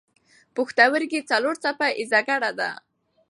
پوښتورګی څلور څپه ایزه ګړه ده.